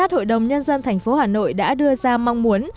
hội đồng nhân dân thành phố hà nội đã đưa ra mong muốn